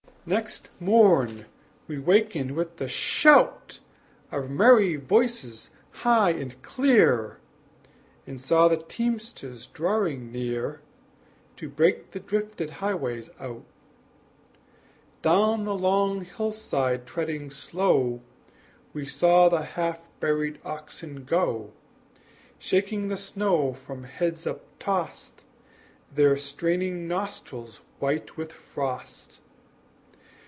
Next morn we wakened with the shout Of merry voices high and clear; And saw the teamsters drawing near To break the drifted highways out. Down the long hillside treading slow We saw the half buried oxen' go, Shaking the snow from heads uptost, Their straining nostrils white with frost.